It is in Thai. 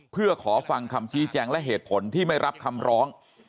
เพื่อขอฟังคำชี้แจงและเหตุผลที่ไม่รับคำร้อง